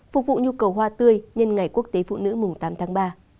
phục vụ nhu cầu hoa tươi nhân ngày quốc tế phụ nữ mùng tám tháng ba